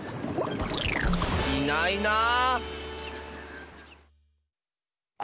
いないなあ。